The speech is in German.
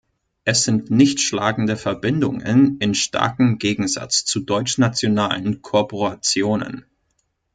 Es sind nicht-schlagende Verbindungen in starkem Gegensatz zu deutschnationalen Korporationen.